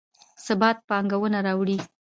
ثبات پانګونه راوړي